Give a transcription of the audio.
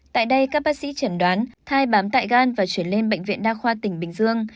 tại đây các bác sĩ chẩn đoán thai bám tại gan và chuyển lên bệnh viện đa khoa tỉnh bình dương